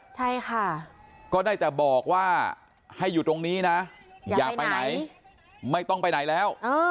ใช่ค่ะก็ได้แต่บอกว่าให้อยู่ตรงนี้นะอย่าไปไหนไม่ต้องไปไหนแล้ว